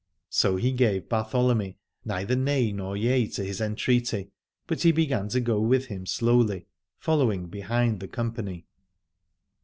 So he gave Bartholomy neither nay nor yea to his entreaty, but he began to go with him slowly, following behind the company.